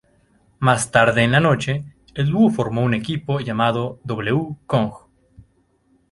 Más tarde en la noche, el dúo formó un equipo llamado W Kong.